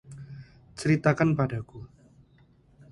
Ceritakan padaku.